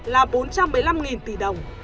là bốn trăm một mươi năm tỷ đồng